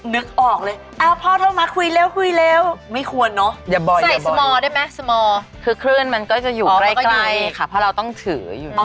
นึกออกเลยพ่อโทรมาคุยเร็วไม่ควรเนอะใส่สมอได้ไหมคือคลื่นมันก็จะอยู่ใกล้ค่ะเพราะเราต้องถืออยู่นี่